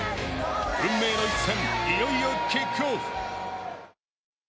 運命の一戦いよいよキックオフ。